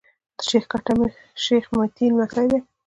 شېخ کټه شېخ متي لمسی دﺉ.